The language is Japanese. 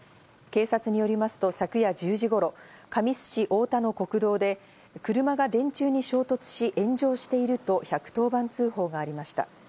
警察によりますと昨夜１０時頃、神栖市太田の国道で車が電柱に衝突し炎上していると、１１０番通報がありました。